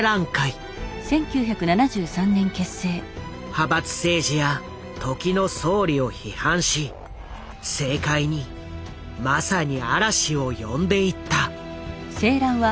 派閥政治や時の総理を批判し政界にまさに嵐を呼んでいった。